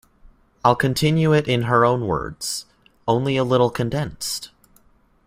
I’ll continue it in her own words, only a little condensed.